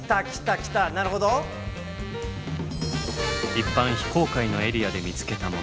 一般非公開のエリアで見つけたもの。